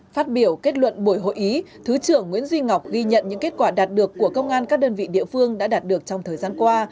phát biểu kết luận buổi hội ý thứ trưởng nguyễn duy ngọc ghi nhận những kết quả đạt được của công an các đơn vị địa phương đã đạt được trong thời gian qua